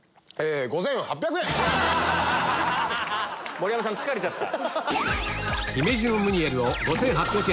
盛山さん疲れちゃった。